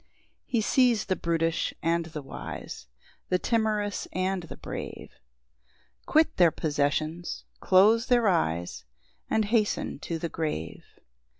] 5 He sees the brutish and the wise, The timorous and the brave, Quit their possessions, close their eyes, And hasten to the grave.